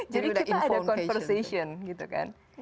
jadi kita ada conversation gitu kan